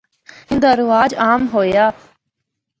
ان دا رواج عام ہویا۔